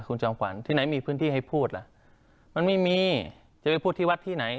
คุณจอมขวัญที่ไหนมีพื้นที่ให้พูดล่ะมันไม่มีจะไปพูดที่วัดที่ไหน